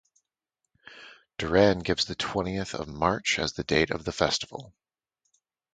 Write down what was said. Duran gives the twentieth of March as the date of the festival.